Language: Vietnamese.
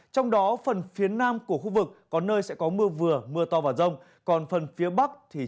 trong đó phần phía nam của khu vực có nơi sẽ có mưa vừa mưa to vào rông còn phần phía bắc thì trời rét